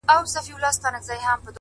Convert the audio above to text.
علم د ناپوهۍ محدودیت له منځه وړي